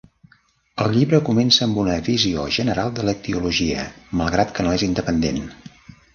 El llibre comença amb una visió general de la ictiologia, malgrat que no és independent.